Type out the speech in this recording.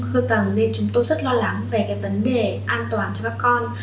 sườn tầng nên chúng tôi rất lo lắng về cái vấn đề an toàn cho các con